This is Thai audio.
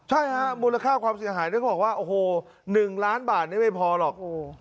ใช่มูลค่าความสินหายได้บอกว่า๑ล้านบาทไม่พอหรอก